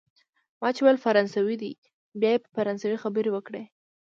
ما چي ویل فرانسوی دی، بیا یې په فرانسوي خبرې وکړې.